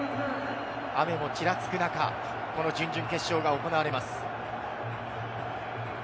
雨もちらつく中、準々決勝が行われます。